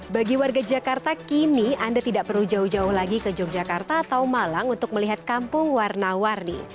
bagi warga jakarta kini anda tidak perlu jauh jauh lagi ke yogyakarta atau malang untuk melihat kampung warna warni